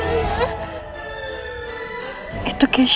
memang tidak apa apa